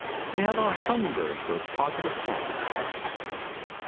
They have a hunger for positive facts."